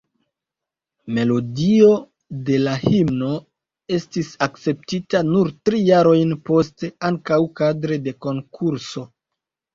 Melodio de la himno estis akceptita nur tri jarojn poste, ankaŭ kadre de konkurso.